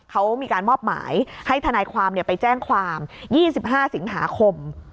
เขามีการมอบหมายให้ทนายความไปแจ้งความ๒๕สิงหาคม